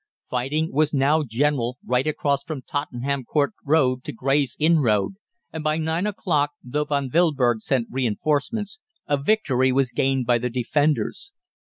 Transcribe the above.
"Fighting was now general right across from Tottenham Court Road to Gray's Inn Road, and by nine o'clock, though Von Wilberg sent reinforcements, a victory was gained by the Defenders.